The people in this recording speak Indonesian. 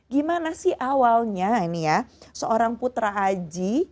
gimana sih awalnya seorang putra aji